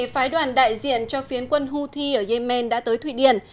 phái đoàn đại diện cho phiến quân houthi ở yemen đã tới thụy điển